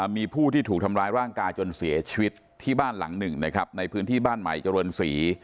มีผู้ที่ถูกทำร้ายร่างกายจนเสียชีวิตที่บ้านหลังหนึ่งนะครับในพื้นที่บ้านใหม่เจริญศรี